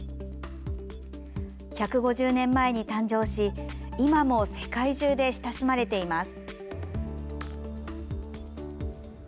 １５０年前に誕生し今も世界中で親しまれています。